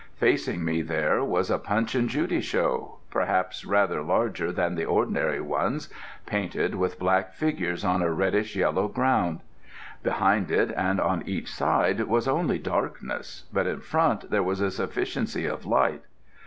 Facing me there was a Punch and Judy Show, perhaps rather larger than the ordinary ones, painted with black figures on a reddish yellow ground. Behind it and on each side was only darkness, but in front there was a sufficiency of light.